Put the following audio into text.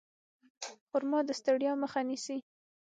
خرما د ستړیا مخه نیسي.